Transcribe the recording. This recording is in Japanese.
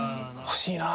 「欲しいな」